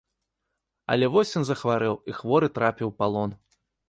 Але вось ён захварэў і хворы трапіў у палон.